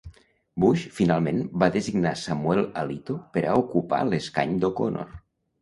Bush finalment va designar Samuel Alito per a ocupar l'escany d'O'Connor.